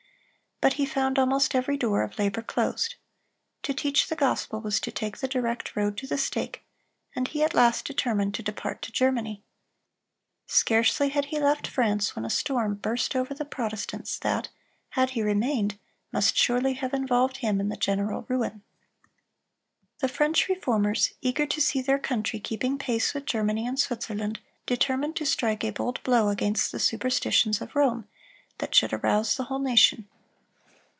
But he found almost every door of labor closed. To teach the gospel was to take the direct road to the stake, and he at last determined to depart to Germany. Scarcely had he left France when a storm burst over the Protestants, that, had he remained, must surely have involved him in the general ruin. The French Reformers, eager to see their country keeping pace with Germany and Switzerland, determined to strike a bold blow against the superstitions of Rome, that should arouse the whole nation.